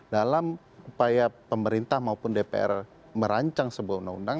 dalam upaya pemerintah maupun dpr merancang sebuah undang undang